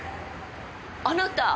あなた。